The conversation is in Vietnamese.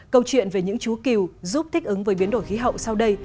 câu chuyện về những chú kiều giúp thích ứng với biến đổi khí hậu sau đây